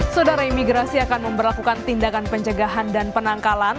saudara imigrasi akan memperlakukan tindakan pencegahan dan penangkalan